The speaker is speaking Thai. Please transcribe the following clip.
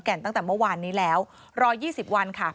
โปรดติดตามต่างกรรมโปรดติดตามต่างกรรม